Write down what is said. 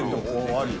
あり。